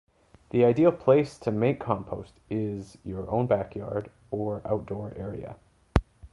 The ideal place to make compost is your own backyard or outdoor area.